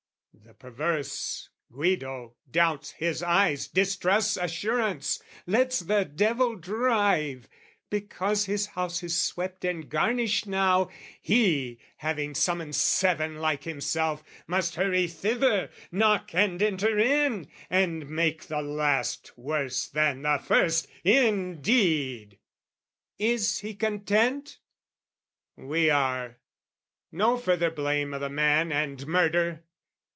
The perverse Guido doubts his eyes Distrusts assurance, lets the devil drive; Because his house is swept and garnished now, He, having summoned seven like himself, Must hurry thither, knock and enter in, And make the last worse than the first, indeed! Is he content? We are. No further blame O' the man and murder!